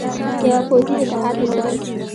یوه پوځي اتحاد ولري.